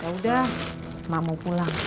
yaudah mak mau pulang